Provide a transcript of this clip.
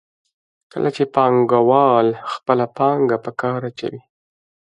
کله چې پانګوال خپله پانګه په کار اچوي